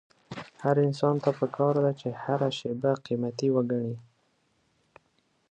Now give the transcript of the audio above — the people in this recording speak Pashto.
هر انسان ته پکار ده چې هره شېبه قيمتي وګڼي.